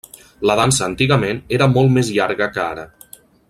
La dansa antigament era molt més llarga que ara.